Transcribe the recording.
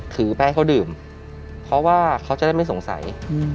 ถือไปให้เขาดื่มเพราะว่าเขาจะได้ไม่สงสัย